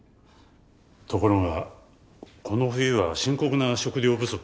ところがこの冬は深刻な食料不足。